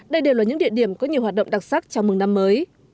đây đều là những địa điểm có nhiều hoạt động đặc sắc chào mừng năm mới